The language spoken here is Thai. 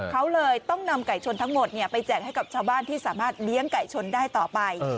เขาเลยต้องนำไก่ชนทั้งหมดไปแจกให้กับชาวบ้านที่สามารถเลี้ยงไก่ชนได้ต่อไป